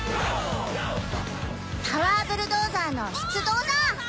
パワーブルドーザーの出動だ！